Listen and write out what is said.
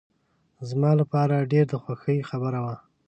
زما لپاره ډېر د خوښۍ خبره وه.